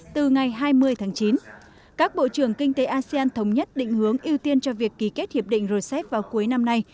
từ ngày hai mươi tháng chín các bộ trưởng kinh tế asean thống nhất định hướng ưu tiên cho việc ký kết hiệp định rcep vào cuối năm nay